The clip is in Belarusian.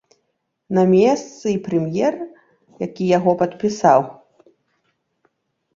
На месцы і прэм'ер, які яго падпісаў.